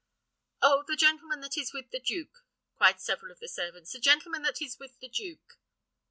"Oh! the gentleman that is with the duke," cried several of the servants; "the gentleman that is with the duke."